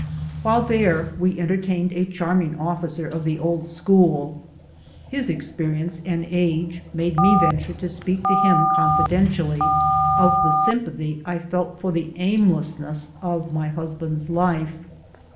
While there we entertained a charming officer of the old school. His experience and age made me venture to speak to him confidentially of the sympathy I felt for the aimlessness of my husband's life.